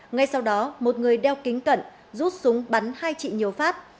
ngay sau đó một người đeo kính cận rút súng bắn hai chị nhiều phát